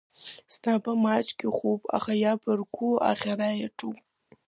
Снап маҷк ихәуп, аха ибаргәым, аӷьара иаҿуп.